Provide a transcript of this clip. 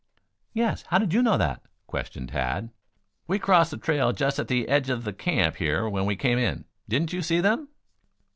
"Yes, how did you know that!" questioned Tad. "We crossed the trail just at the edge of the camp here when we came in. Didn't you see them?"